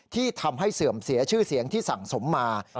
ที่ทำให้เสื่อมเสียชื่อเสียงที่สั่งสมมา